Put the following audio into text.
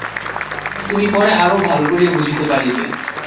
তুমি পরে আরও ভাল করিয়া বুঝিতে পারিবে।